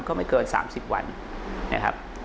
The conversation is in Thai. ไม่เกิน๓๐วันนะครับ